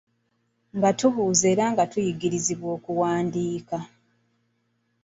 Nga tubuuza era nga tuyigirizibwa okuwandiika.